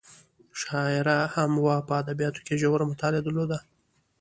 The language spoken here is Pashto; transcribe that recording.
شاعره هم وه په ادبیاتو کې یې ژوره مطالعه درلوده.